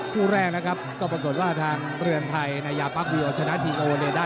คู่แรกนะครับก็ปรากฏว่าทางเรือนไทยนายาปั๊บวิโอชนะที่โนเวอร์เลด้าน